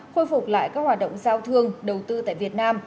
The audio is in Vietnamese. khôi phục lại các hoạt động giao thương đầu tư tại việt nam